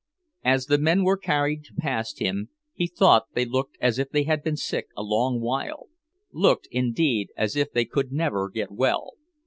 As the men were carried past him, he thought they looked as if they had been sick a long while looked, indeed, as if they could never get well.